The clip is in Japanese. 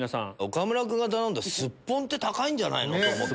岡村君が頼んだスッポンって高いんじゃないの？